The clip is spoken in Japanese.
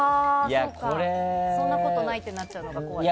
そんなことないってなっちゃうのかな。